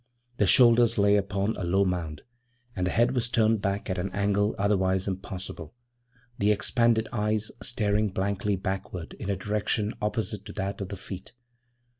The shoulders lay upon a low mound, and the head was turned back at an angle otherwise impossible, the expanded eyes staring blankly backward in a direction opposite to that of the feet.